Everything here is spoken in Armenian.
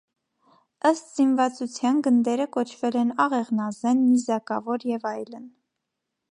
Ըստ զինվածության գնդերը կոչվել են աղեղնազեն, նիզակավոր և այլն։